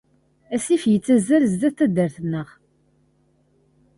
Asif yettazzal sdat taddart-nneɣ.